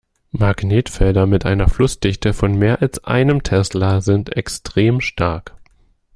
Magnetfelder mit einer Flussdichte von mehr als einem Tesla sind extrem stark.